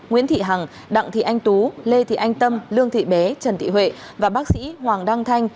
nguyễn thị hằng đặng thị anh tú lê thị anh tâm lương thị bé trần thị huệ và bác sĩ hoàng đăng thanh